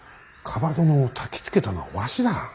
蒲殿をたきつけたのはわしだ。